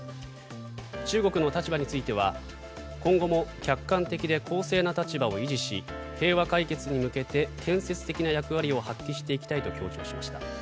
中国の立場については、今後も客観的で公正な立場を維持し平和解決に向けて建設的な役割を発揮していきたいと強調しました。